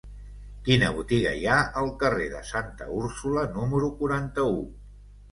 Quina botiga hi ha al carrer de Santa Úrsula número quaranta-u?